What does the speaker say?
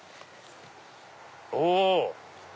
お！